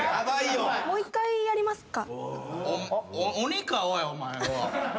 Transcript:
もう一回やりますか？